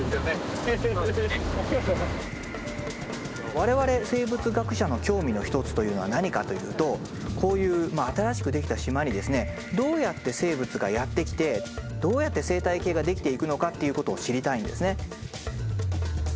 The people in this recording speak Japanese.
我々生物学者の興味の一つというのは何かというとこういう新しくできた島にですねどうやって生物がやって来てどうやって生態系ができていくのかっていうことを知りたいんですね。